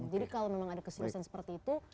jadi kalau memang ada keselesaan seperti itu